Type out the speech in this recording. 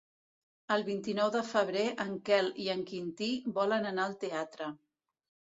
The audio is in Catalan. El vint-i-nou de febrer en Quel i en Quintí volen anar al teatre.